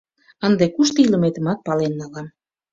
— Ынде кушто илыметымат пален налам.